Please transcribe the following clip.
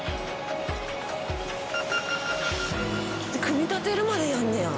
組み立てるまでやんねや。